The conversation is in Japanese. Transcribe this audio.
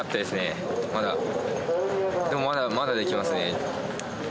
でもまだできますね。